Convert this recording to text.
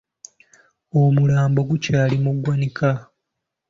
Omulambo gukyali mu ggwanika.